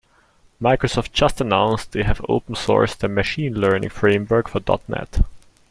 Microsoft just announced they have open sourced their machine learning framework for dot net.